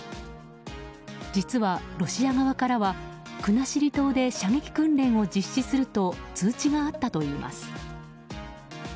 実は、ロシア側からは国後島で射撃訓練を実施すると通知があったといいます。